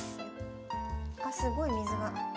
あっすごい水が。